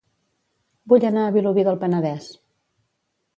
Vull anar a Vilobí del Penedès